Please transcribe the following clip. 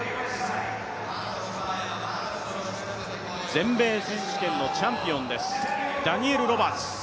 全米選手権のチャンピオンです、ダニエル・ロバーツ。